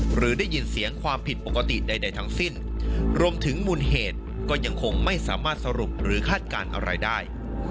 หรือได้ยินเสียงความผิดปกติใดทั้งสิ้นรวมถึงมูลเหตุก็ยังคงไม่สามารถสรุปหรือคาดการณ์อะไรได้